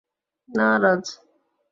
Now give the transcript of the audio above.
না, রাজ।